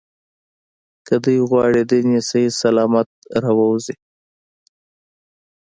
که دوی غواړي دین یې صحیح سلامت راووځي.